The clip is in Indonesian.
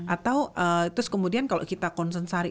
atau terus kemudian kalau kita konsensari